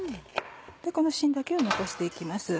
この芯だけを残して行きます。